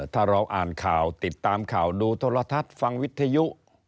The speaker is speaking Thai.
ถ้าเราอ่านข่าวติดตามข่าวดูโทรทัศน์ฟังวิทยุ